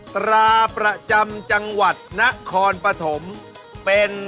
ตราประจำจังหวัดประหนณะแล้ว